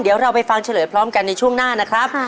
เดี๋ยวเราไปฟังเฉลยพร้อมกันในช่วงหน้านะครับ